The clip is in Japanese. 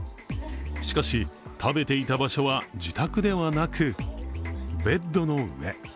しかし、食べていた場所は自宅ではなくベッドの上。